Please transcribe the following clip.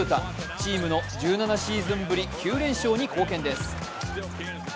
チームの１７シーズンぶり９連勝に貢献です。